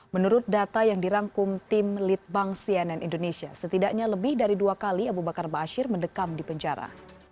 menurut data yang dirangkum tim litbang cnn indonesia setidaknya lebih dari dua kali abu bakar ⁇ asyir ⁇ mendekam di penjara